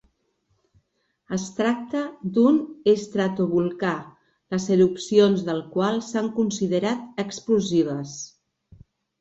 Es tracta d'un estratovolcà les erupcions del qual s'han considerat explosives.